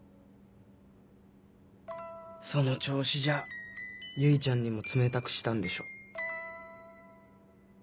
その調子じゃ唯ちゃんにも冷たくしたんでしょ。